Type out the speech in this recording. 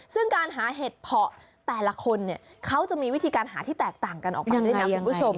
ซึ่งการหาเห็ดเพาะแต่ละคนเนี่ยเขาจะมีวิธีการหาที่แตกต่างกันออกมาด้วยนะคุณผู้ชม